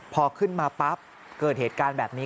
พอขึ้นมาปั๊บเกิดเหตุการณ์แบบนี้